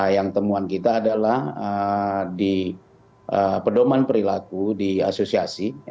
yang temuan kita adalah di pedoman perilaku di asosiasi